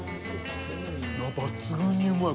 抜群にうまい！